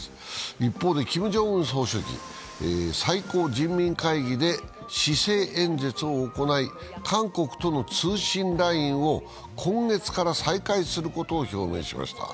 一方で、キム・ジョンウン総書記、最高人民会議で施政演説を行い、韓国との通信ラインを今月から再開することを表明しました。